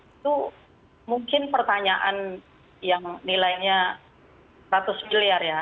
itu mungkin pertanyaan yang nilainya seratus miliar ya